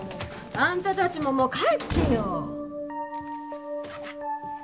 あんたたちももう帰ってよ！